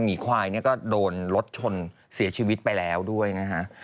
หมีควายเนี่ยก็โดนรถชนเสียชีวิตไปแล้วด้วยนะฮะ